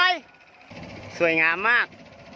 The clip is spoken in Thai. โอ้สวยมาก